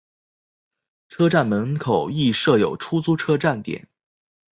车站门口亦设有出租车站点。